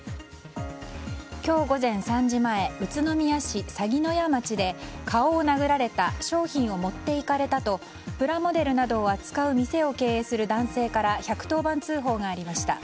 今日午前３時前宇都宮市鷺の谷町で顔を殴られた商品を持っていかれたとプラモデルなどを扱う店を経営する男性から１１０番通報がありました。